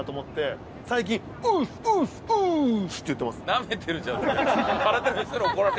なめてるじゃんそれ。